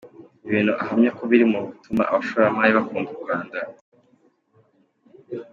Ibintu ahamya ko biri mu bituma abashoramari bakunda u Rwanda.